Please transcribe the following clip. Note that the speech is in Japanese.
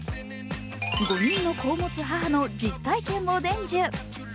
５人の子を持つ母の実体験を伝授。